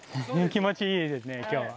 気持ちいいですね今日は。